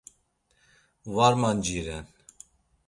Var manciren.